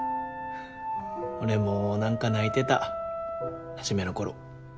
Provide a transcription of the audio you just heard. ははっ俺も何か泣いてた初めの頃。